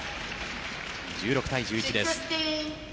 １６対１１です。